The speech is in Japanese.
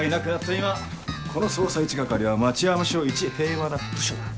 今この捜査一係は町山署いち平和な部署だ。